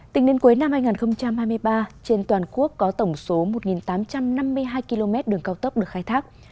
tính đến cuối năm hai nghìn hai mươi ba trên toàn quốc có tổng số một tám trăm năm mươi hai km đường cao tốc được khai thác